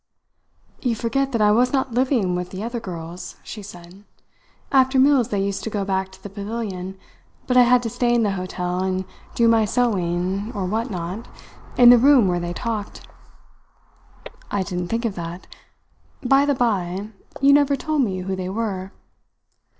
"You forget that I was not living with the other girls," she said. "After meals they used to go back to the Pavilion, but I had to stay in the hotel and do my sewing, or what not, in the room where they talked." "I didn't think of that. By the by, you never told me who they were."